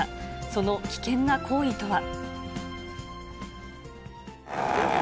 その危険な行為とは。